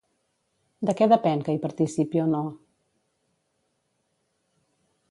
De què depèn que hi participi o no?